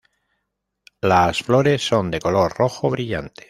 Las flores son de color rojo brillante.